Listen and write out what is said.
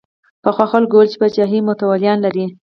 پخوا خلکو ویل چې پاچاهي متولیان لري.